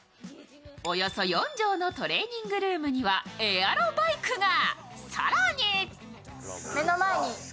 およそ４畳のトレーニングルームにはエアロバイクが。